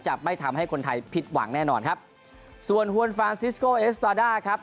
จะไม่ทำให้คนไทยผิดหวังแน่นอนครับส่วนฮวนฟรานซิสโกเอสตาด้าครับ